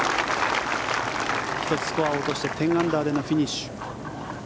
１つスコアを落として１０アンダーでのフィニッシュ。